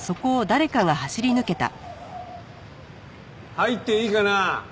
入っていいかな？